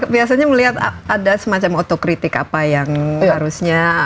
biasanya melihat ada semacam otokritik apa yang harusnya